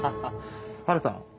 ハルさん